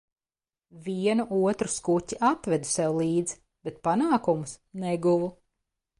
"Vienu otru skuķi atvedu sev līdz, bet "panākumus" neguvu."